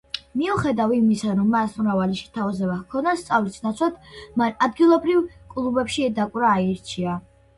მიუხედავ იმისა, რომ მას მრავალი შეთავაზება ჰქონდა, სწავლის ნაცვლად მან ადგილობრივ კლუბებში დაკვრა არჩია.